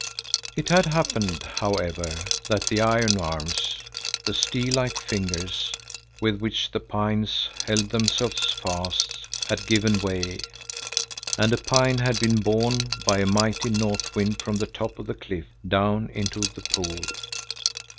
It had happened, however, that the iron arms, the steel like fingers with which the pines held themselves fast, had given way, and a pine had been borne by a mighty north wind from the top of the cliff down into the pool.